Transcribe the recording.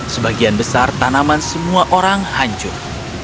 sebagian besar tanaman semua orang hancur